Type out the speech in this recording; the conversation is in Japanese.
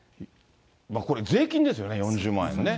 これ、税金ですよね、４０万円はね。